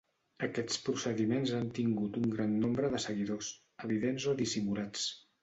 Aquests procediments han tingut un gran nombre de seguidors, evidents o dissimulats.